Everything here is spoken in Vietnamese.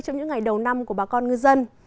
trong những ngày đầu năm của bà con ngư dân